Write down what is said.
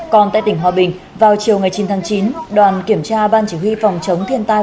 còn tại tỉnh hòa bình vào chiều ngày chín tháng chín đoàn kiểm tra ban chỉ huy phòng chống thiên tai